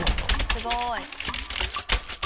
すごい！